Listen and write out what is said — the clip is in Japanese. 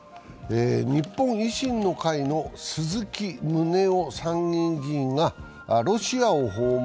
日本維新の会の鈴木宗男参院議員がロシアを訪問。